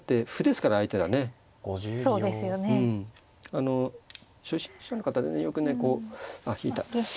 あの初心者の方でねよくねこうあ引いた。